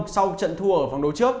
sau trận thua ở vòng đấu trước